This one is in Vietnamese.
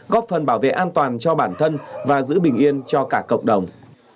góp phần bảo vệ an toàn cho bản thân và giữ bình yên cho cả cộng đồng